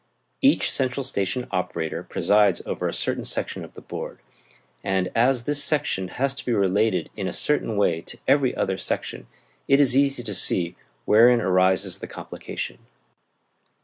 Each central station operator presides over a certain section of the board, and as this section has to be related in a certain way to every other section, it is easy to see wherein arises the complication.